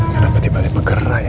karena tiba tiba bergerak ya